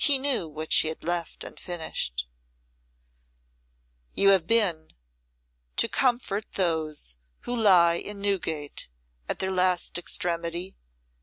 He knew what she had left unfinished. "You have been to comfort those who lie in Newgate at their last extremity?"